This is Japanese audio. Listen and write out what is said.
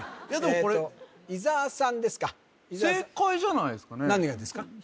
いやでもこれ伊沢さんですか何がですか？